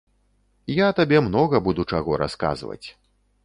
Я табе многа буду чаго расказваць.